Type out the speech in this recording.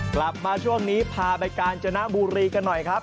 กลับมาช่วงนี้พาไปกาญจนบุรีกันหน่อยครับ